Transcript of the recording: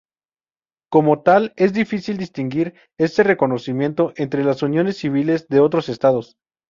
Como tal, es difícil distinguir este reconocimiento entre las uniones civiles de otros estados.